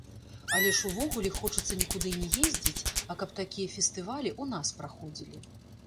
Але ж увогуле хочацца нікуды не ездзіць, а каб такія фестывалі ў нас праходзілі.